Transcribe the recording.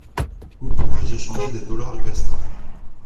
Où pourrais-je échanger des dollars USA ?